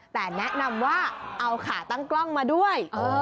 แต่แนะนำว่าเอาขาตั้งกล้องมาด้วย